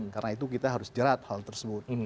karena itu kita harus jerat hal tersebut